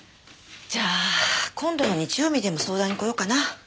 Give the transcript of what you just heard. じゃあ今度の日曜にでも相談に来ようかな。